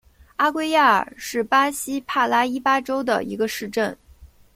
阿圭亚尔是巴西帕拉伊巴州的一个市镇。